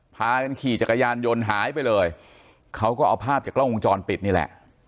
พากันขี่จักรยานยนต์หายไปเลยเขาก็เอาภาพจากกล้องวงจรปิดนี่แหละ